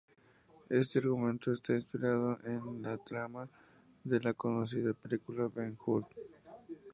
Este argumento está inspirado en la trama de la conocida película Ben-Hur.